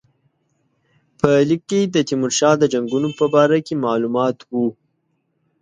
په لیک کې د تیمورشاه د جنګونو په باره کې معلومات وو.